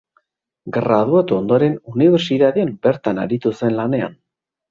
Graduatu ondoren, unibertsitatean bertan aritu zen lanean.